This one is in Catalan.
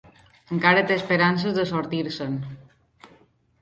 Encara té esperances de sortir-se'n.